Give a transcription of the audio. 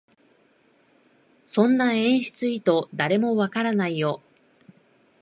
そんな演出意図、誰もわからないよ